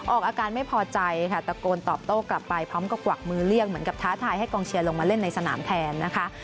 ออกอาการไม่พอใจค่ะตะโกนตอบโต้กลับไปพร้อมกับกวักมือเรียกเหมือนกับท้าทายให้กองเชียร์ลงมาเล่นในสนามแทนนะคะ